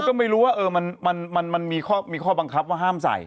ก็ไม่รู้ว่ามันมีข้อบังคับว่าห้ามใส่